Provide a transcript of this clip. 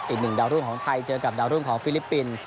อีกหนึ่งดาวรุ่งของไทยเจอกับดาวรุ่งของฟิลิปปินส์